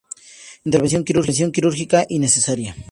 Intervención quirúrgica innecesaria.